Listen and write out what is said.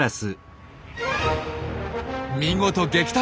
見事撃退！